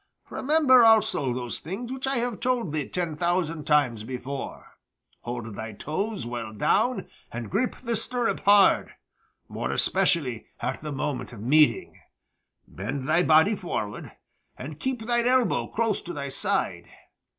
Remember also those things which I have told thee ten thousand times before: hold thy toes well down and grip the stirrup hard, more especially at the moment of meeting; bend thy body forward, and keep thine elbow close to thy side.